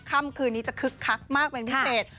ค่ำคืนนี้จะคึกคักมากเป็นพิเศษ